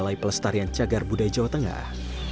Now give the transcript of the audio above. balai pelestarian cagar budaya jawa tengah